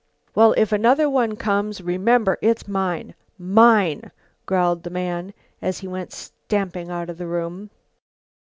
"Well, if another one comes, remember it's mine! Mine!" growled the man, as he went stamping out of the room.